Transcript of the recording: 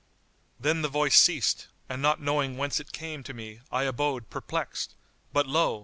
Then the voice ceased and not knowing whence it came to me I abode perplexed; but lo!